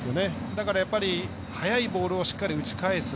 だから、やっぱり速いボールをしっかり打ち返す。